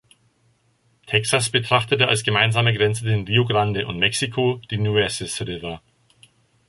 Texas betrachtete als gemeinsame Grenze den Rio Grande und Mexiko den Nueces River.